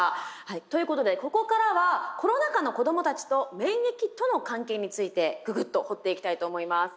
ということでここからはコロナ禍の子どもたちと免疫との関係についてググッと掘っていきたいと思います。